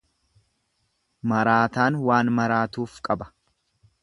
Maraataan waan maraatuuf qaba.